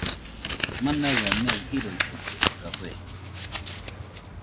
Manaɨa mei jiroitɨkue café